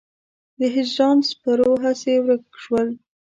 د هجران سپرو هسې ورک شول.